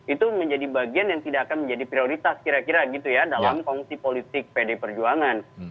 itu menjadi bagian yang tidak akan menjadi prioritas kira kira gitu ya dalam kongsi politik pd perjuangan